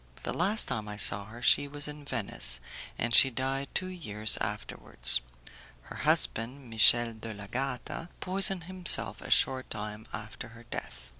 The last time I saw her she was in Venice, and she died two years afterwards. Her husband, Michel de l'Agata, poisoned himself a short time after her death.